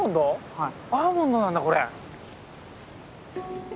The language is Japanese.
はい。